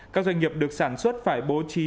các doanh nghiệp được sản xuất phải bố trí